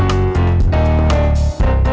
apa harus banget ya